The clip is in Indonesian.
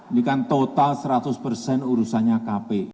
ini kan total seratus persen urusannya kp